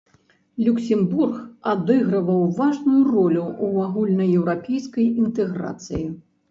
Люксембург адыгрываў важную ролю ў агульнаеўрапейскай інтэграцыі.